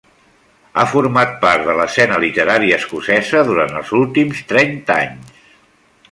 Ha format part de l’escena literària escocesa durant els últims trenta anys.